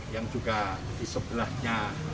yang juga di sebelahnya